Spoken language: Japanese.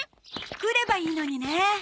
来ればいいのにね。